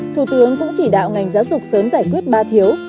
thủ tướng cũng chỉ đạo ngành giáo dục sớm giải quyết ba thiếu